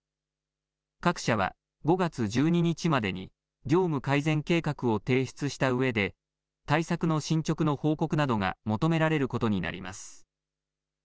各社は、５月１２日までに業務改善計画を提出したうえで対策の進捗の報告などが求められることになります。